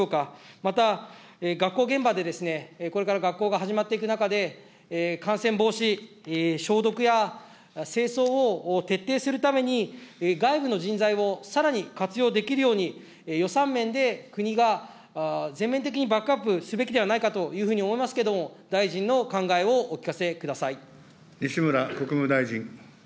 また、学校現場でですね、これから学校が始まっていく中で、感染防止、消毒や清掃を徹底するために、外部の人材をさらに活用できるように、予算面で国が全面的にバックアップすべきではないかというふうに思いますけども、大臣の考えをお聞かせください。